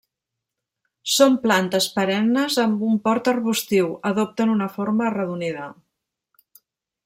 Són plantes perennes amb un port arbustiu, adopten una forma arredonida.